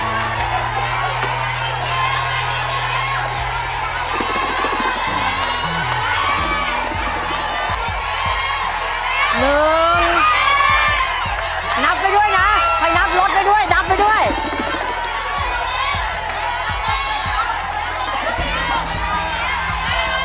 นับไว้ด้วยนะให้นับรถไว้ด้วยนับได้ด้วย